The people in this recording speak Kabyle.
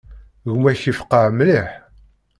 Gma-k yefqeε mliḥ.